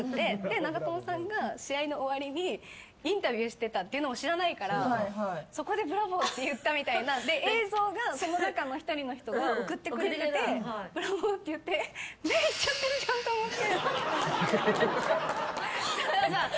長友さんが試合の終わりにインタビューしてたのも知らないから、そこでブラボーって言ったみたいな映像がその中の１人の人が送ってくれてて目いっちゃってるじゃんって思って。